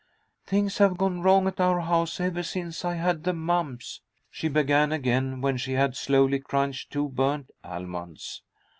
"Things have gone wrong at our house ever since I had the mumps," she began again, when she had slowly crunched two burnt almonds.